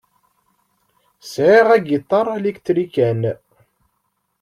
Sεiɣ agiṭar alktrikan.